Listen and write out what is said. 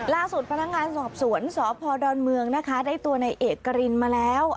ล่าสุดพนักงานสอบสวนสพดอนเมืองนะคะได้ตัวในเอกรินมาแล้ว